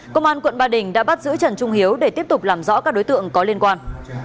công an quận ba đình đã bắt giữ trần trung hiếu để tiếp tục làm rõ các đối tượng có liên quan